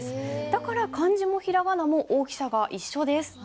だから漢字も平仮名も大きさが一緒です。